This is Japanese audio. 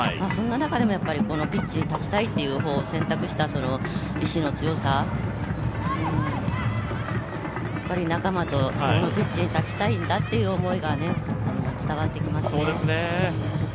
そんな中でもピッチに立ちたいという方を選択した意思の強さ仲間とピッチに立ちたいんだという思いが伝わってきますね。